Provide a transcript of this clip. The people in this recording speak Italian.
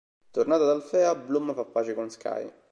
Tornata ad Alfea, Bloom fa pace con Sky.